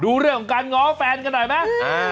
ดูเรื่องของการง้อแฟนกันหน่อยไหม